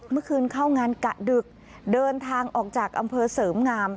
เมื่อคืนเข้างานกะดึกเดินทางออกจากอำเภอเสริมงาม